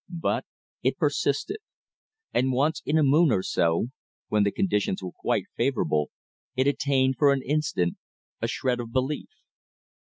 But it persisted; and once in a moon or so, when the conditions were quite favorable, it attained for an instant a shred of belief.